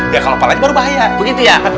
ya kalau palanya baru bahaya